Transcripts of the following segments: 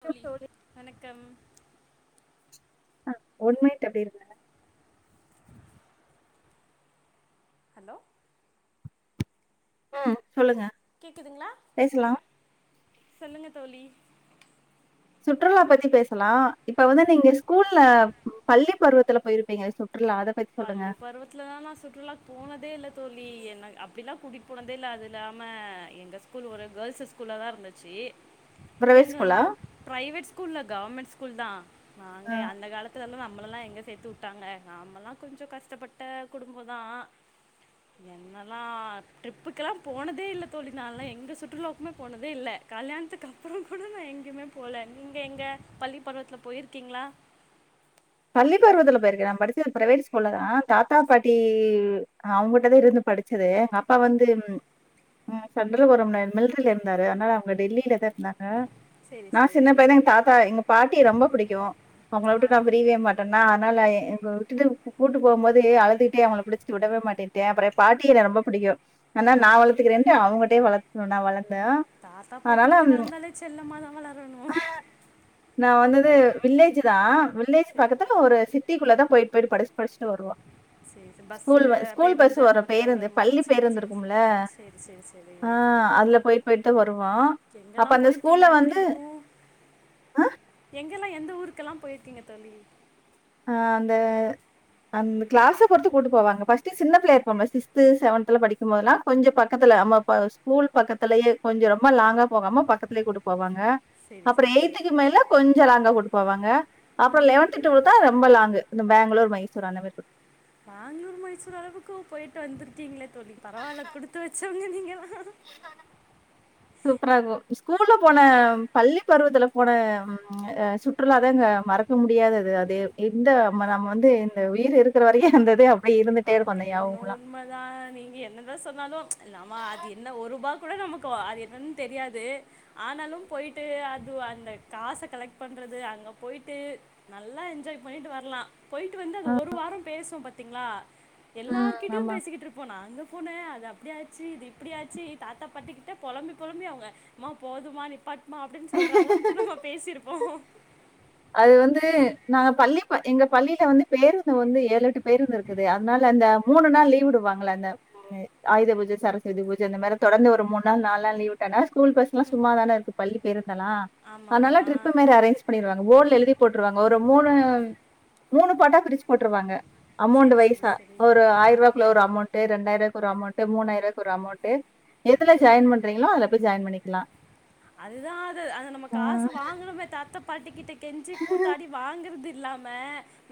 தோழி வணக்கம் ஆ ஒண்மைட் அப்படி இருந்தே ஹலோ ம் சொல்லுங்க கேக்குதுங்களா பேசலாம். சொல்லுங்க தோழி சுற்றுலா பத்தி பேசலா இப்ப வந்து நீங்க ஸ்கூல்ல பள்ளி பருவத்துல போயிருப்பீங்க சுற்றுலா அத பத் பள்ளி பர்வத் துலலா நா சுற்றுலா போனதே இல்ல தோழி என்ன அப்படிலா கூட்டிட் போனதே இல்ல அது இல்லாம எங்க ஸ்கூல் ஒரு கேள்ஸஸ் ஸ்கூல்லதா இருந்துச்சு பிரைவேட் எங்கல்லா ஸ்கூலா? பிரைவேட் ஸ்கூல் கவர்மெண்ட் ஸ்கூல் தா ஆ. நாங்க அந்த கால த்துலலா நம்மள எல்லா எங்க சேத்து உட்டாங்க நம்மல்லா கொஞ்ச கஷ்டப்பட்ட குடும்ப தா என்னெல்லா ட்ரிப்புக்கெல்லா போனதே இல் தோழி நால்லா எந்த சுற்றுலாவுக்குமே போனதே இல்ல கல்யாணத்துக்கு அப்புறோ கூட நா எங்கேயுமே போல்ல நீங்க எங்க பள்ளிப்பருவத்துலே போயிருக்கீங்களா பள்ளி பருவத்துல போயிருக்கே நா படிச்சது பிரைவேட் ஸ்கூல்ல தா தாத்தா பாட்டி அவுங்கிட்டதா இருந்து படிச்சதே அப்பா வந்து ம் ம் சொந்த ஊரு [unintelligible] தா இருந்தாரு அன்னால அவங்க டெல்லியிலதா இருந்தாங்க சரி நா சின்ன சரி பையதா எங்க தாத்தா எங்க பாட்டி ரொம்ப புடிக்கு உங்கள ஆ விட்டு நா பி ரிய மாட்டனா ஆனால எங்க விட்டுட்டு கூட்டு போம் போது அழுதுகிட்டே அவங்கள புடிச்சிட்டு விடவேமாட்டே டே அப்புற பாட்க் என்ன ரொம்ப புடிக்கு ஆனா ஆ நா வளத்துக்குறேன்ட்டு அவங்கிட்டே வளர்த் நா வளந்தே தாத்தா அதனால பாட்டிக்கிட்ட வளந்தாலே செல்லமா தா வளரணு நா வந்தது வில்லேஜ் தா வில்லேஜ் சரி பக்கத்துல ஒரு சிட் டி குள்ளதா போயிட் போயிட்டு படிஸ் படிஸ்ட்டு வருவோ சரி சரி பஸ்ஸு ஸ்கூல் ஸ்கூல் பஸ் பேருந்து அந்த வர மாதிரி ஏதாவது பேருந்து வருமோ பள்ளி சரி பேருந்து சரி இருக்கும் இல்ல சரி சரி சரி ஆ அதுல போய் போயிட்டு தா வருவோ எங்க அப்ப எல்லா அந்த போயிருக்கீங்க ஸ்கூல்ல எப்படி வந்து இருக்கு எங்க எல்லா எந்த ஊருக் எல்லா போயிருக்கீங்க தோழி ஆ அந்த அந்த க்ளாஸ பொறுத்து கூட்டு போவாங்க பஸ்ட் சின்ன பிள்ளய போவாங்க சிஸ்து செவன்தல படிக்கு போதுலா கொஞ்ச பக்கத்துல நம்ப ப ஸ்கூல் பக்கத்தலேயே கொஞ்ச ரொம்ப லாங்கா போகாம பக்கத்துலேயே கூட்டு போவாங்க சரி அப்ற சரி எயித்துக்கு மேல கொஞ்ச லாங்கா கூட்டு போவாங்க அப்ற ம் லெவல்து டுவல்த்து ரொம்ப லாங்கு இந்த பேங்களூர் மைசூர் அந்த மாரி கூ பேங்ளூர் மைசூர் அளவுக்கு போயிட்டு வந்திருக்கீங்ளே தோழி பரவால்ல குடுத்து வச்ச வங்க நீங்கல்லா சூப்பரா இருக்கு ஸ்கூல்ல போன பள்ளி பருவத்துல போன அ சுற்றுலாதாங்க மறக்க முடியாததே அதே எந்த நம்ம வந்து இந்த உயிர் இருக் கிற வரைக்கு அந்த இது அப்டியே இருந்துட்டே இருக்கு ஆந்த ஞாபகலா நம்மதா நீங்க என்னதா சொன்னாலு நம்ம அது என்ன ஒரு ரூபா கூட நமக்கு அது என்னன் தெரியாது ஆனாலு போய்ட்டு அது அந்த காச கலெக்ட் பண்றது அங்க போய்ட்டு நல்லா என்ஜாய் பண்ணிட்டு வர்லா போய்ட்டு வந்து அது ஒரு வாரோ பேசுவோ பாத்தீங்ளா ம். எல்லார்கிட்டயு ஆமா. பேசிக்கிட்ருப்போ நாங்க போனே அது அப்டியாச்சு இது இப்டியாச்சு தாத்தா பாட்டிக்கிட்ட பொலம்பி பொலம்பி அவங்க அம்மா போதுமா நிப்பாட்மா அப்டின் சொல்ற அளவுக்கு நம்ம பேசிருப்போ அது வந்து நாங்க பள்ளி எங்க பள்ளில வந்து பேருந்து வந்து ஏழு எட்டு பேருந்து இருக்குது அதனால அந்த மூணு நாள் லீவு விடுவாங்கள அந்த ஆயுத பூஜ சரஸ்வதி பூஜ இந்த மாரி தொடர்ந்து ஒரு மூணு நாள் நாலு நாள் விட்டானா ஸ்கூல் பஸ் ளா சும்மாதானே இருக்கு பள்ளி பேருந்து எல்லா ஆமா அதனால ஆமா ட்ரிப்பு மாரி அரேஞ்ச் பண்ணிர்வாங் போட்ல எழுதி போட்டுருவாங்க ஒரு மூணு மூணு பாட்டா பிரிச்சுபோட்டுருவாங்க அமெளண்ட் சரி சரி வைசா சரி ஒரு ஆ ஆயருவாக்குள்ள ஒரு அமௌண்டு ரெண்டாயருவாக்கு ஒரு அமௌண்டு மூனாயிருவாக்கு ஒரு அமௌண்ட் எதுல ஜாயின் பண்றீங்களோ அதுல போய் ஜாயின் பண்ணிக்லா அதுதா அது அது நம்ம காசு வாங்கணுமே தாத்த பாட்டிக்கிட்ட கொஞ்சி கூத்தாடி வாங்கறது இல்லாம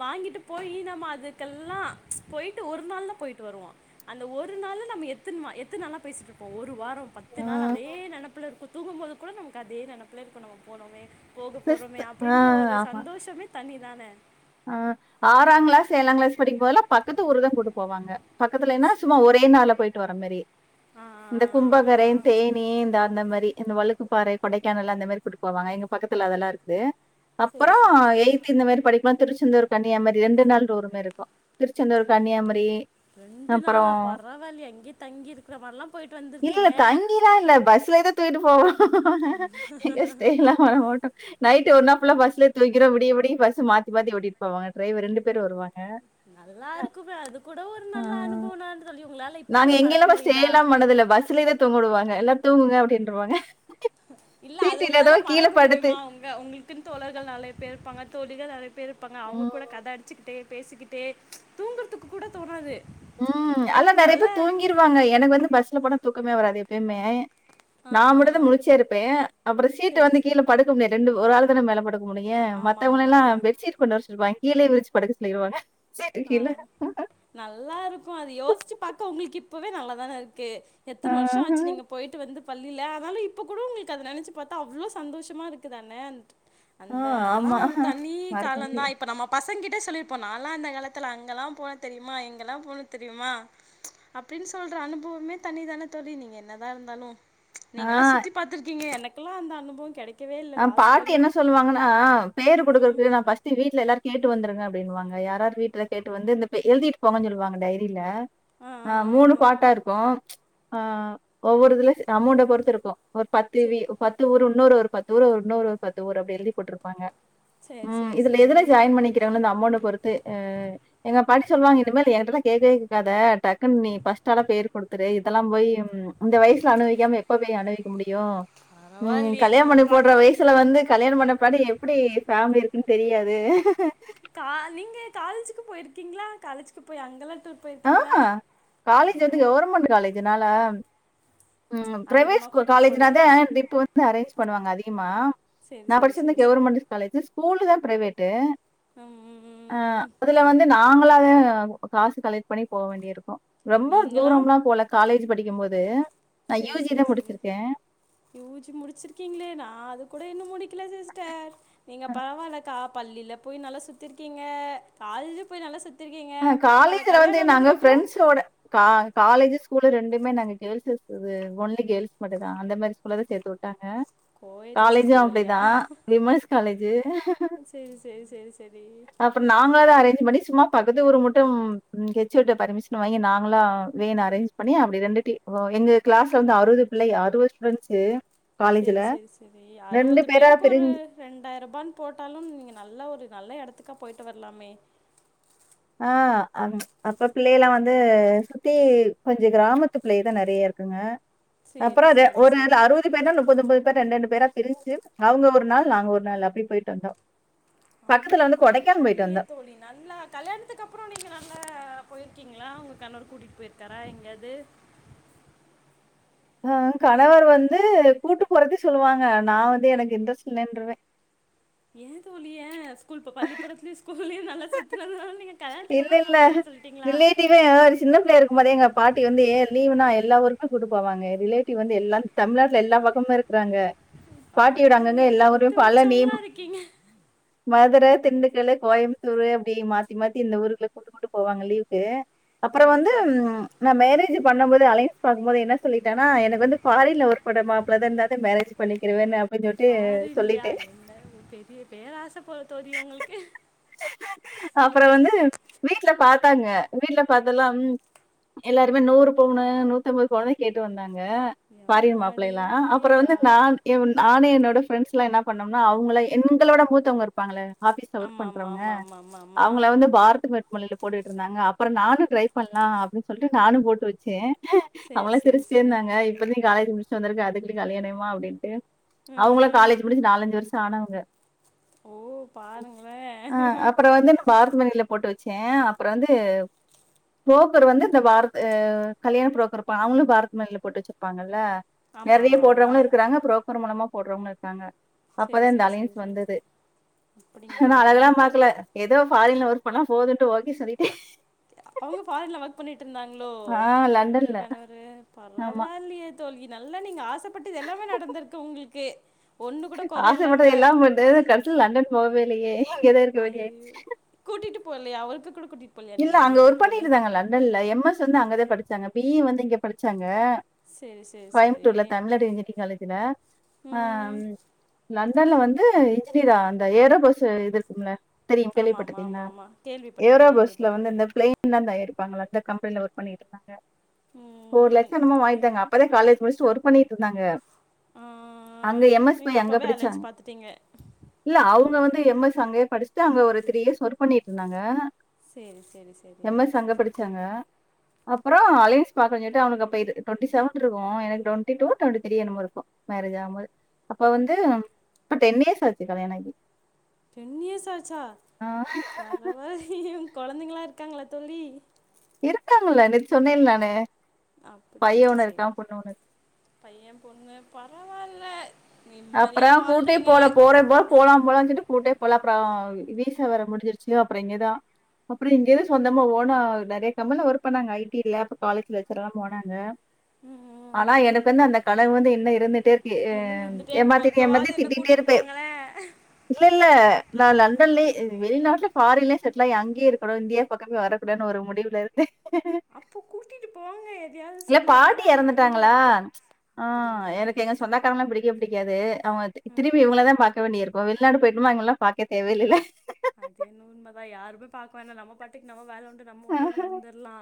வாங்கிட்டு போயி நம்ம அதுக்கு எல்லா போயிட்டு ஒரு நாள்தா போய்ட்டு வருவோ அந்த ஒரு நாளு நம்ம எத்துன்வா எத்தன் நாளா பேசிட்ருப்போ ஒரு வா பத்து ஆ. நாளு அதே நெனைப்புல இருக்கு தூங்கும் போது கூட நமக்கு அதே நெனைப்புல இருக்கு நம்ம போனோமே போக போறோமே ஆ அப்டின்ற ஒரு சந்தோஷமே தனிதானே அ ஆறாங்ளாஸ் ஏழாங்ளாஸ் படிக்கும் போதுலா பக்கத்து ஊருதா கூட்டு போவாங்க பக்கத்துலன்னா சும்மா ஒரே நாள்ல போய்ட்டு வர்ற மேரி ஆ ஆ இந்த ஆ, கும்பகரை ஆ. தேனி இந்த அந்த மாரி இந்த வழுக்குப்பாறை கொடைக்கானல் அந்த மாரி கூட்டு போவாங்க எங்க பக்கத்துல அது எல்லா இருக்குது அப்புற சரி சரி சரி எயிட் இந்த மாரி திருச்செந்தூர் கன்னியாமரி ரெண்டு நாள் டூரு போய்ருக்கோ திருச்செந்தூர் கன்னியாமரி ரெண்டு நாளா பரவால்லியே அங்கேயே தங்கி இருக்கிற மாரில்லா போயிட்டு இல்ல இல்ல வந்திருக்கீங்க தங்கிலாம் இல்ல பஸ்லயே தான் தூக்கிட்டு போவோ எங்க ஸ்டைல அ மாட்டோ நைட்டு ஒரு நா ஃபுல்லா பஸ்ல தூங்கிறோ விடிய விடிய பஸ் மா மாத்தி மாத்தி ஓட்டி போவாங்க ட்ரைவர் ரெண்டு பேரு வருவாங்க நல்லா இருக்குமே அது கூட ஒரு நல்ல ஆ. அனுபவனான்டு சொல்லி ஒங்ளால இப்ப கூட மறக்க முடிதா னதுல பஸ்லேதா தூங்வுடுவாங்க எல்லா தூங்குங்க அப்டின்றுவாங்க இல்ல அது ஒங்ளால மறக்க முடியுமா ங்க உங்ளுக்கு தோழர்கள் நெறைய பேர் இருப்பாங்க தோழிகள் நெறைய பேர் இருப்பாங்க அவுங்க ம். கூட கத அடிச்சுக்கிட்டே பேசிக்கிட் டே தூங்குறதுக்கு கூட தோணாது ஆ எவ்வளோ அதுல்லா ஒரு நறையா நல்ல பேர் தூங்கிருவாங்க எனக்கு வந்து பஸ்ல போனா தூக்கமே வராது எப்பயுமே ஆ, நா ஆ, மட்டுந்தா ஆ. முழிச்சே இருப்பே அப்பறோ சீட்டு சரி வந்து சரி கீழ படுக்க முடியாது ரெண்டு ஒரு ஆள்தான மேல படுக் க முடியும் ஆமாம் மத்தவங்கல ஆமாம் எல்லா ஆமாம் பெட்ஷீட் கொண்டு வரச்சொல்வ கீழே விரிச்சி படுக்க சொல்லிருவாங்க சீட்டு ஆ கீழ. நல்லாருக்கும் அது யோசிச்சி பாக்க ஒங்களுக்கு இப்பவே நல்லாதானா இருக்கு ஆ, எத்தன வருஷோ ஆச்சி நீங்க போயிட்டு வந்து பள்ளில ஆனாலு இப்ப கூட ஒங்களுக்கு அத நெனைச்சி பாத்தா அவ்ளோ சந்தோஷமா இருக்குதான அந்த அதல்லா ஆமா. ஒரு தனி மறக்க காலந்தா முடியாது. இப்ப நம்ம பசங்க கிட்ட சொல்லியிருப்போ நாலா அந்த காலத் துல அங்கல்லா போன தெரிமா எங்கலா போன தெரிமா அப்டின்னு சொல்ற அனுபவமே தனிதான தோழி நீங்க என்னதா இருந்தாலு நீங்கலா ஆ சுத்தி பாத்துருக்கீங்க எனக்குலா அந்த அனுபவம் கெடைக் ஆ பாட்டு என்ன சொல்வாங்கனா பேரு ம் குடுக்கறக்கு நா ஃபஸ் ட்டு வீட்ல எல்லார் கேட்டு வந்துருங்க அப்டின்னுவாங்க யார் யார் வீட்ல கேட்டு வந்து இந்த பெ எழுதிட்டு போங்கன் சொல்லுவாங்க டைரில ஆ மூணு பாட்டா இருக்கும் ஆ ஒவ்வொரு இதுல அமௌண்ட்ட பொறுத்து இருக்கும் ஒரு பத்து செரி வி பத்து ஊரு இன்னொரு ஒரு பத்து ஊரு ஒரு இன்னொரு ஒரு பத்து ஊரு அப்டி எழுதி போட்ருப்பாங்க செரி ம் செரி இதுல செரி எதுல ஜாயின் பண்ணிக்கிறல்ல இந்த அமௌண்ட்ட பொறுத்து அ எங்க பாட்டி சொல்வாங்க இனிமேல் என்கிட்டலா கேக்கவே கேக்காத டக்குன்னு நீ ஃபஸ்ட்டால பேரு குடுத்துரு இதல்லா போயி இந்த வயசுல அனுபவிக்காம எப்ப போயி அனுபவிக்க முடியும் ம் நீ பரவாயில்லையே கல்யாண பண்ணி என்னெல்லாம் பாக் அவ்ளோ வயசுல வந்து கல்யாண பண்ணபாடி எப்டி ஃபேமிலி இருக்குன் தெரியாது கா நீங்க காலேஜிக்கு போயிருக்கீங்ளா காலேஜிக்கு போய் அங்கலா டூர் ஆ போயிருக்கீங்களா காலேஜி வந்து கவர்மெண்ட் காலேஜினால ம் பிரைவேட் அதிகமா ஸ்கூ கூட்டிட்டு போல காலேஜினா தா ட்ரிப்பு வந்து அரேஞ்ச் பண்ணுவாங்க அதிகமா சரி நா சரி படிச்சது சரி சரி கெவுர்மண்ட்டு காலேஜி ஸ்கூலு தா பிரைவேட்டு ஆ ம் அதுல வந்து நாங்களதா காசு கலட் பண்ணி போ வேண்டி இருக்கும் ரொம்ப நீங்களாம் தூரம்லா போல காலேஜி படிக்கமோது செரி செரி செரி யூ ஜி முடிச்சிருக்கீங்ளே நா அது கூட இன்னு முடிக் கில சிஸ்டர் நீங்க பரவாயில்ல கா பள்ளில போயி நல்லா சுத் திருக்கீங்க காலேஜி போயி நல்லா சுத்திருக்கீங்க அ பரவாயில்ல காலேஜ்ல வந்து கல்யாண நாங்க ஆனதுக்கு அப்றோ ஃப்ரெண்ட்ஸோட கா காலேஜி ஸ்கூலு ரண்டுமே நாங்க கேள்ஸ்ஸு ஸ்கூலு ஒன்லி கேள்ஸ் மட்டுதா அந்த மாரி ஸ்கூல்லதா சேத்து உட் டாங்க கோயட்ல சேர்த்து காலேஜிம் விடலையா அப்டிதா விமன்ஸ் காலேஜி செரி செரி செரி செரி அப்ப நாங்களாதா அரேஞ்சி பண்ணி சும்மா பக்கத்த ஊருக்கு மட்டும் ஹெச் ஓ டிட்ட பர்மிஷன் வாங்கி நாங்களா வேன் அரேஞ்சி பண்ணி அப்டி ரெண்டுடீ ஓ எங்க கிளாஸ்ல வந்து அறுவது பிள்ளைக அறுவது ஸ்டூடண்ட்ஸு செரி செரி செரி அறுவது பேரா பேருக்கு ஒரு பிரிஞ் ரெண்டாயிரூபான் போட்டாலு நீங்க நல்ல ஒரு நல்ல எடத்துக்கா போயி்ட்டு வரலாமே ஆ அப்ப பிள்ளைகலா வந்து சுத்தி கொஞ்ச கிராமத்து பிள்ளைகதா நறையா இருக் குங்க சேரி அப்பறோ ரெ சேரி ஒரு நாளு சேரி அறுவ து பேரோ முப்பத்தொன்பது பேர் ரண்டு ரண்டு பேரா பிரிஞ்சி அவுங்க ஒரு நாள் நாங்க ஒரு நாள் அப்டி போயிட்டு வந்தோம் ஆ பரவாயில்லயே வந்தோ தோழி நல்லா கல்யாணத்துக்கு அப்புறம் நீங்க நல்லா போயிருக்கீங்களா உங்க கணவர் கூட்டிட்டு போயிருக்காரா எங்கயாவது ஆ கணவர் வந்து கூட்டு போறன்னு சொல்லுவாங்க நா வந்து எனக்கு இன்ட்ரஸ்ட் இல்லன்ருவன் ஏன் தோழி ஏன் ஸ்கூல் இப்ப பள்ளிப்படத்துலயு ஸ்கூலியும் நல்லா சுத்தனதுனால நீங்க கல்யாணத்துக்கு அப்பறம் போ மாட்டன் சொல்லிட்டீங்களா இப்பயும் எதா ஒரு சின்ன பிள்ளைய இருக்கமோதே எங்க பாட்டி வந்து ஏ லீவுனா எல்லா ஊருக்குமே கூட்டு போவாங்க ரிலேட்டிவ் வந்து எல்லா தமிழ்நாட்ல எல்லா பக்கமும் இருக்கறாங்க பரலால்யே குடுத்து வச்சவுங்ளா இருக்கீங்க மதுர திண்டுக்கலு கோயம் தூரு அப்டி மாத்தி மாத்தி இந்த ஊருக்குள்ள கூட்டுகூட்டு போவாங்க லீவ்க்கு அப்பற சேரி வந்து சேரி நா மேரேஜி பண்ணம்போது அலயன்ஸ் பாக்கும்போது என்னா சொல்லிட்டனா எனக் வந்து ஃபாரின்ல ஒர்க பண்ற மாப்பள தா இருந்தாதே மேரேஜ் பண்ணிக்கிருவேன்னு அப் ஃபாரின்லியா என்ன ஒரு பெரிய பேராச போல தோதி உங்களுக்கு அப்பற வந்து வீட்ல பாத்தாங்க வீட்ல பாத்தல்லா எல்லாருமே நூறு பவுனு நூத்தம்பது பவுனு கேட்டு வந்தாங்க பாரின் மாப்பள எம்மாடி எல்லா அப்பற வந்து யா நான் ஏ வு நானே என்னோட ஃப்ரெண்ட்ஸ்லா என்னா பண்ணம்னா அவுங்ள எங்களோட மூத்தவுங்க இருப்பாங்கள ஆபீஸ்ல ஒர்க் ஆமாம் பண்றவுங்க ஆமாம் ஆமாம் ஆமாம் ஆமாம் அவுங்ள ஆமாம் வந்து பாருத்து வேட்மோலில போட்டுட் இருந்தாங்க அப்பற நானு ட்ரை பண்லா அப்டின் சொல்ட்டு நானு போட்டு வச்சே சரி அவல்லா சரி சிரிச்ட்டே சரி இர்ந்தாங்க இப்பதே காலேஜ் முடிச்சிட்டு வந்துருக்கு அதுக்குள்ளி கல்யாணயமா அப்டின்ட்டு அவுங்கள ம் காலேஜ் முடிச்சு நாலஞ்சு வருஷ ஆனவுங்க ஒ பாருங்ளே பார்க் மனில போட்டு வச்சே அப்புற வந்து போப்பர் வந்து இந்த பாரத்து கல்யாண புரோக்கரு ப அவுங்ளு பாரத் மனில போட்டு வச்சிருப்பாங்கல்ல ஆமாம் நெறைய ஆமாம் போட்றவுங்ளு ஆமாம் இருக்குறாங்க புரோக்கர் மூலமா போட்றவுங்ளு இருக்காங்க சரி அப்பதா இந்த சரி சரி அலையன்ஸ் சரி வந்துது அப்படிங்களா [unintelligible] உங்கள் கண் பாக்குல எதோ ஃபாரின்ல ஒர்க் பண்ணா போதுன்ட்டு ஓகே சொல்லிட்டே அவுங்க ஃபாரின்ல ஒர்க் பண்ணிட்ருந்தாங்ளோ ஆ உங்க லண்டன்ல கணவரு ஆமா பரவால்லியே தோல்வி நல்லா நீங்க ஆசப்பட்டுது எல்லாமே நடந்துருக்கு உங்குள்க்கு ஒன்னு கூட கொற இல்லாம து கடசில லண்டன் போகவே இல்லயே ஐயயோ கூட்டிட்டு போக்லயா அவருக்கு கூட கூட்டிட் இல்ல அங்க ஒர்க் பண்ணிட்ருந்தாங்க லண்டன்ல எம்எஸ் வந்து அங்கதே படிச்சாங்க பிஇ வந்து இங்க படிச்சாங்க சரி சரி சரி கோயம்முத்தூர்ல தமிழ்நாடு இன்ஜிடி காலேஜில அ ம் லண்டன்ல வந்து இன்ஜினீரா அந்த ஏரோ பஸ் இது இருக்கும்ல தெரியு கேள்வி ஆமா ஆமா ஆமா பட்ருக்கீங்ளா ஆமா ஏரோ கேள்விப்பட்டிருக்கே பஸ் கேள்விப்பட்டிருக்கே பிளைன்லா தயாரிப்பாங்கள அந்த கம்பெனில ஒர்க் பண்ணிகிட்ருந்தாங்க ஃபோர் ம் லேக்ஸோ என்னமோ வாங்கிட்தாங்க அப்பதே காலேஜ் முடிச்சிட்டு ஒர்க் பண்ணிட்ருந்தாங்க ஆ அங்க எம் எஸ் நீங்க போய் அங்க அப்பவே படிச்சாங்க அலைன்ஸ் பாத்துட்டீங்க இல்ல அவுங்க வந்து எம்எஸ் அங்கயே படிச்சி அங்க ரு த்ரீ இயர்ஸ் ஒர்க் பண்ணிகிட்ருந்தாங்க சேரி சேரி சே எம்எஸ் அங்க படிச்சாங்க அப்பறோ அலயன்ஸ் பாக்கனு சொல்ட்டு அவனுங்க அப்ப அது டுவெண்டி சவன் இருக்கு எனக்கு டொண்டி டூ டொண்டி திரி என்னமோ இருக்கு மேரேஜ் ஆவும்மோது அப்ப வந்து இப்ப டென் இயர்ஸ் ஆச்சு கல்யாண ஆகி டென் இயர்ஸ் ஆச்சா ஆஹ் பரவல்லியே ஒங் கொழந்தைங்ளா இருக்காங்ளா தோழி இருக்காங்ளே நேத் சொன்னேல் நானு பைய ஒன்னு இருக்கா பொண்ணு ஒன்னு இருக் பைய பொண்ணு பரவால்ல அப்பற நிம்மதியா கூட்டி வாழ்றீங்க போல போறே போற் போலா போலான் சொல்ட்டு கூட்டே போல அப்றோ வீசா வேற முடிஞ்சிருச்சு அப்றோ இங்கேதா அப்ற இங்கேதே சொந்தமா ஓனா நறைய கம்பெனில ஒருக் பண்ணாங்க ஐடில அப்ப காலேஜ்ல லெச்சர்லா போனாங்க ம் ஆனா எனக் வந்து அந்த களவ் வந்து இன்னு இருந்துட்டே இருக்கு இன்னு ஏ இருந்துட்டே இருக்க பாத்தின் ஏமாத்தி ஒருக்கவாது என்ன திட்டிகிட்டே கூட்டிட்டு இருப்பே போங்களே இல்ல இல்ல நா லண்டன்லே வெளிநாட்ல ஃபாரின்லே செட்டில் ஆயி அங்கே இருக்கணு இண்டியா பக்கமே வரக்கூடான்னு ஒரு முடிவுல இருந்தே அப்ப கூட்டிட்டு போங்க எதையாது சொல்லி அவங்கதா அங்க அனுபவோ இருக்க அ ஆ எனக்கு எங்க சொந்தக்காரங்களா பிடிக் பிடிக்காது அவங்க தி திரும்பி இவங்கள தா பாக்க வேண்டி இருக்கு வெளிநாடு போயிட்டோம்னா இவங்கல்லா பாக்க தேவே இல்லல அது என்னவோ உண்மதா யாருமே பாக்க வேணா நம்ம பாட்டுக்கு நம்ம வேல உண்டு நம்ம ஆ உண்டுன் இருந்துர்லா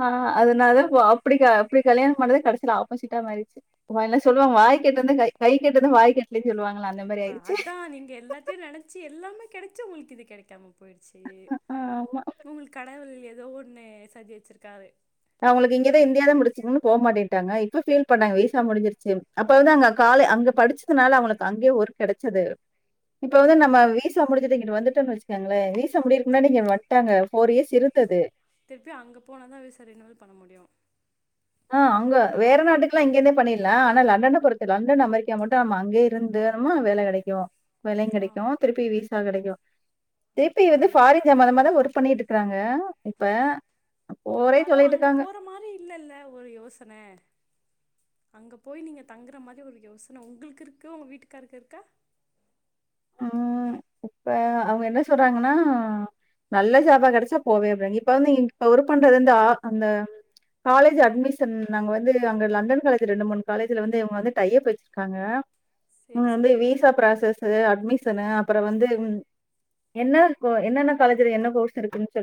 ஆ அதனாலதா போ அப்டி க அப்டி கல்யாணம் பண்ணது கடசில ஆப்போசிட்டா மாறிச்சி வா என்ன சொல்லுவாங்க வாய்க்கெட்னது கை கைக்கெட்னது வாய்க்கெட்டலைன் சொல்லுவாங்கள்ள அந் ப அதா நீங்க எல்லாத்தையு நெனைச்சு எல்லாமே கெடைச்சு உங்களுக் இது கெடைக்காம போய்டுச்சி ஆமா. உங்களுக் கடவுள் ஏதோ ஒன்னு சதி வச்சிருக்காரு அவங்களுக் இங்கதா இந்தியாதா புடிச்சுருக்குன் போமாட்டேட்டாங்க இப்ப ஃபீல் பண்ணாங்க வீசா முடிஞ்சிருச்சேன் அப்ப அழுதாங்க காலே அங்க படிச்சதுனால அவங்களுக் அங்கயே ஒர்க் கெடச்சது இப்ப வந்து ஆ நம்ம வீசா முடிஞ்சிட்டு இங்குட் வந்துட்டோன் வச்சுக்காங்களே விஸ் வீசா முடியறதுக் தி முன்னாடி இங்க வந்ட்டாங்க ஃபோர் இயர்ஸ் இருந்தது திருப்பி அங்க போனா தா வீசா ரினிவல் பண்ண முடியு ஆ அங்க வேற நாட்டுக்குல்லா இங்கருந்தே பண்ணிர்லா ஆனா லண்டன பொறுத்து லண்டன் அமெரிக்கா மட்டு நம்ம அங்கே ரெண்டு வாரமா வேல கெடைக்கு வேலயு ஆ கெடைக்கு திருப்பி விசா கெடைக்கு திருப்பி வந்து அப்டின்னு ஃபாரின் இங்க மொத மொத ஒர்க் பண்ணிட்ருக்காங்க இப்ப போறேன்னு இருந்தாலு சொல்லிட்டு அங்க இருக்காங்க. போற மாரி இல்லல்ல ஒரு யோசன அங்க போய் நீங்க தங்குற மாரி ஒரு யோசன உங்களுக் இருக்கு உங்க வீட்டுக்காருக்கு இருக்கா ம். இப்ப அவங்க என்ன சொல்றாங்கன்னா நல்ல ஜாபா கெடச்சா போவே அப்டிறாங் இப்ப வந்து இன் இப்ப ஒர்க் பண்றது வந்து ஆ அந்த காலேஜ் அட்மிஷன் நாங்க வந்து அங்க லண்டன் காலேஜ் ரெண்டு மூணு காலேஜ்ல வந்து இவங்க வந்து டையப் வச்சிருக்காங்க சேரி இன்னொன் வந்து சேரி வீசா ப்ராசஸு அது அட்மிஷனு அப்றோ வந்து என்ன இருக்கு என்னென்ன காலேஜ்ல என்ன கோர்ஸ் இருக்குன் சொல்